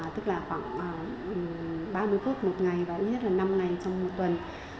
tức là khoảng ba mươi phút một ngày và ít nhất là năm ngày trong một tuần